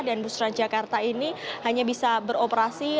dan bus transjakarta ini hanya bisa beroperasi